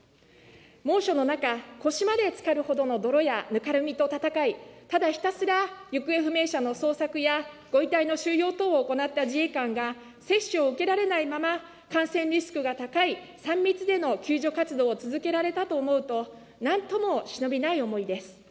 猛暑の中、腰までつかるほどの泥やぬかるみと戦い、ただひたすら、行方不明者の捜索やご遺体の収容等を行った自衛官が、接種を受けられないまま、感染リスクが高い３密での救助活動を続けられたと思うと、なんとも忍びない思いです。